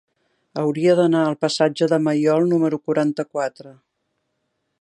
Hauria d'anar al passatge de Maiol número quaranta-quatre.